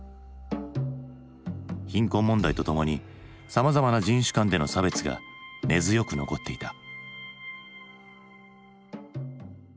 貧困問題とともにさまざまな人種間での差別が根強く残っていた。